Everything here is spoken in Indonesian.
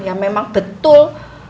ya memang betul